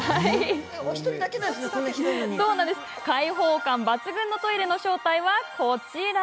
開放感抜群のトイレの正体はこちら。